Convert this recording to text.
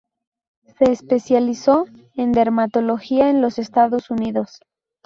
Se especializó en dermatología en los Estados Unidos.